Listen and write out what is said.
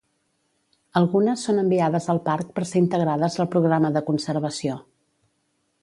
Algunes són enviades al parc per ser integrades al Programa de Conservació.